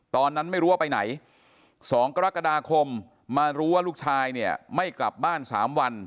ตอนนั้นไม่รู้ว่าไปไหน๒กรกฎาคมมารู้ว่าลูกชายเนี่ยไม่กลับบ้าน๓วัน